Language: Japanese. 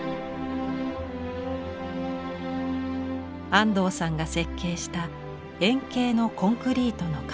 安藤さんが設計した円形のコンクリートの壁。